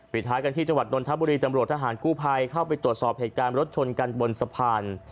ท้ายกันที่จังหวัดนนทบุรีตำรวจทหารกู้ภัยเข้าไปตรวจสอบเหตุการณ์รถชนกันบนสะพาน